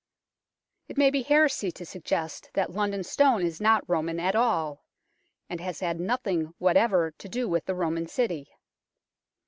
It may be heresy to suggest that London Stone is not Roman at all, and has had nothing whatever to do with the Roman city.